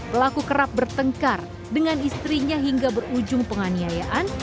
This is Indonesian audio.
pelaku kerap bertengkar dengan istrinya hingga berujung penganiayaan